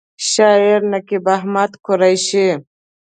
شاعر: نقیب احمد قریشي